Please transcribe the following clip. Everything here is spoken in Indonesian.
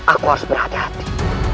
aku harus berhati hati